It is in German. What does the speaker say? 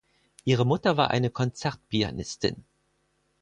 Ihre Mutter war eine Konzertpianistin.